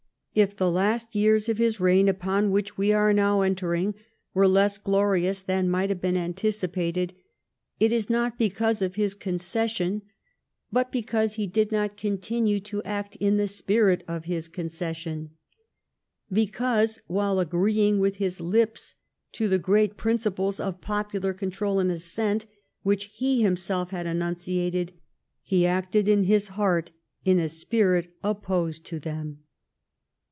If the last years of his reign — upon which we are now entering — were less glorious than might have been anticipated, it is not because of his concession, but because he did not continue to act in the spirit of his concession ; because, while agreeing with his lips to the great principles of popular control and assent, which he himself had enunciated, he acted in his heart in a spirit opposed to them.